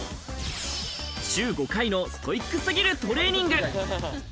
週５回のストイック過ぎるトレーニング。